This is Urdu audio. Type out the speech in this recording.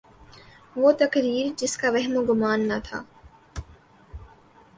وہ تقریر جس کا وہم و گماں نہ تھا۔